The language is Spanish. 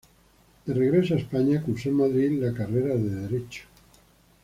De regreso a España, cursó en Madrid la carrera de derecho.